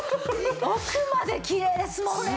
奥まできれいですもんね。